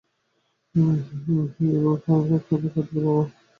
এভাবে কাঁদলে হবে, বাবা?